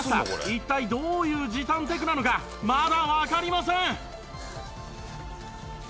一体どういう時短テクなのかまだわかりません